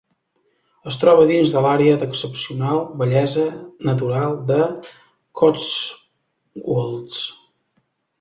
Es troba dins de l'àrea d'excepcional bellesa natural de Cotswolds.